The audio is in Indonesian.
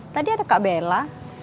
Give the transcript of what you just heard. tadi ada kak bella